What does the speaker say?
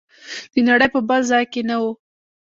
د نړۍ په بل ځای کې نه و.